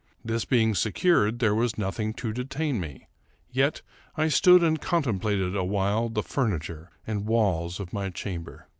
This being secured, there was nothing to detain me ; yet I stood and contemplated awhile the furniture and walls of my chamber.